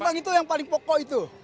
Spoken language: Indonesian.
bang itu yang paling pokok itu